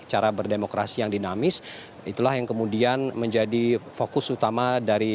cara berdemokrasi yang dinamis itulah yang kemudian menjadi fokus utama dari